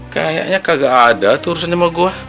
kayaknya kagak ada tuh urusannya sama gua